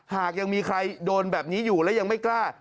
หากยังมีใครโดนแบบนี้อยู่และยังไม่กล้า